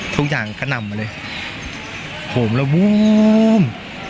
ทุกอย่างกระนำมาเลยโหมแล้ววูบ